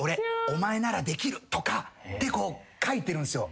お前ならできる」とか書いてるんすよ。